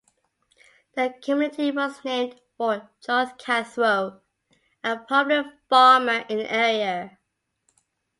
The community was named for George Cathro, a prominent farmer in the area.